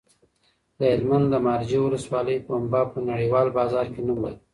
د هلمند د مارجې ولسوالۍ پنبه په نړیوال بازار کې نوم لري.